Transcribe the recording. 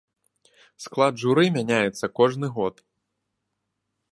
Склад журы мяняецца кожны год.